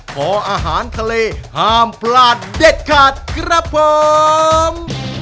ขออาหารทะเลห้ามพลาดเด็ดขาดครับผม